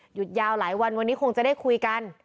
หยุดยาวหลายวันวันนี้คงจะได้คุยกัน